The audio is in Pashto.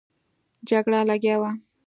جګړه لګیا وو.